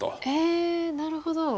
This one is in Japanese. ええなるほど。